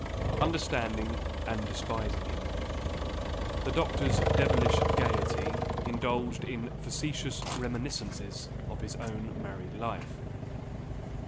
Understanding and despising him, the doctor's devilish gaiety indulged in facetious reminiscences of his own married life.